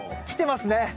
来てますね！